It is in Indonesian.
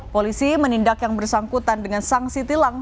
polisi menindak yang bersangkutan dengan sanksi tilang